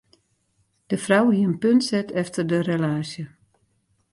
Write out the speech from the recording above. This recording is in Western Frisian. De frou hie in punt set efter de relaasje.